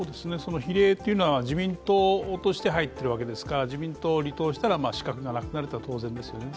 比例というのは自民党として入っているわけですから、自民党を離党したら資格がなくなるのは当然ですよね。